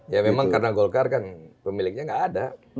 ya memang karena golkar kan pemiliknya nggak ada